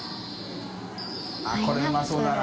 △これうまそうだな。